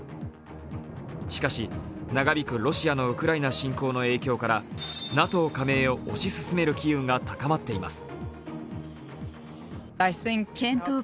しかし、長引くロシアのウクライナ侵攻の影響からＮＡＴＯ加盟を推し進める機運が高まっています。